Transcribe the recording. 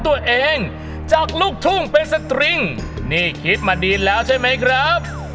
ตัวเองจากลูกทุ่งเป็นสตริงนี่คิดมาดีแล้วใช่ไหมครับ